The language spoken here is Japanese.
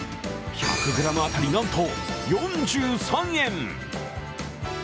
１００ｇ当たりなんと４３円。